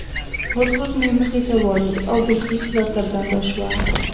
هدهد مې مخې ته والوت او بلقیس راڅرګنده شوه.